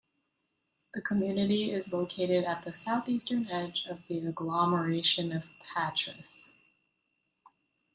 The community is located at the southeastern edge of the agglomeration of Patras.